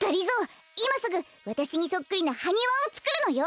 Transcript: いますぐわたしにそっくりなハニワをつくるのよ。